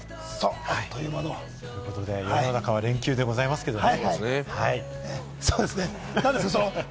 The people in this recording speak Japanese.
世の中は連休でございますね。